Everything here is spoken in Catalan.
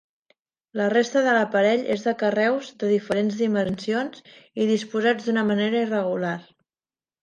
La resta de l'aparell és de carreus de diferents dimensions i disposats d'una manera irregular.